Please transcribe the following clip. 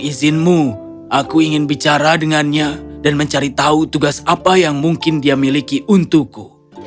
izinmu aku ingin bicara dengannya dan mencari tahu tugas apa yang mungkin dia miliki untukku